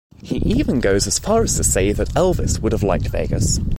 He even goes as far as to say that Elvis would have liked Vegas.